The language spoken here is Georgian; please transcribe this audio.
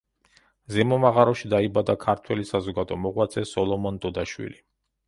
ზემო მაღაროში დაიბადა ქართველი საზოგადო მოღვაწე სოლომონ დოდაშვილი.